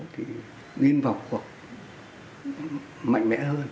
thì nguyên vọng của mạnh mẽ hơn